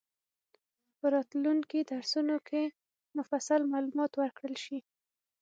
په راتلونکي درسونو کې مفصل معلومات ورکړل شي.